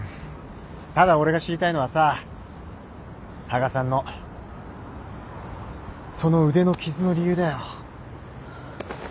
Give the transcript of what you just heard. ただ俺が知りたいのはさ羽賀さんのその腕の傷の理由だよ。